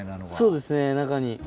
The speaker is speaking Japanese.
そうですね中に。